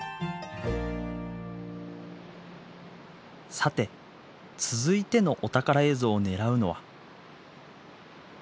さて続いてのお宝映像を狙うのは。